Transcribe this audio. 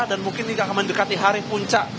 dan mungkin tidak akan mendekati hari puncak